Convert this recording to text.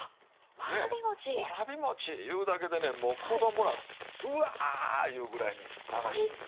わらび餅いうだけでねもう子供ら「うわ！」言うぐらいに楽しいんですよ。